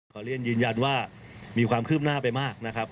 ขอเรียนยืนยันว่ามีความคืบหน้าไปมากนะครับ